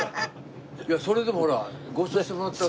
いやそれでもほらご馳走してもらったし。